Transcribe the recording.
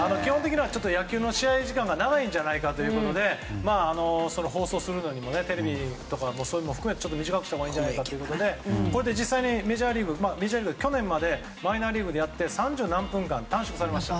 野球の試合時間が長いんじゃないかということで放送するのにもテレビとかも含めて短くしたほうがいいんじゃないかということで実際、去年マイナーリーグでやって三十何分間、短縮されました。